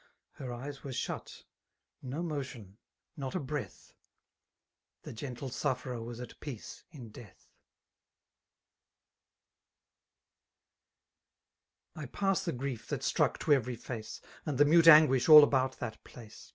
Her eyes were shut^ no motion— not a breath— The gentle sufferer was at peace in death. I pass the grief that struck to every face. And the mute anguish all about that place.